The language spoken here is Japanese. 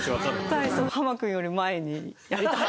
絶対ハマ君より前にやりたい。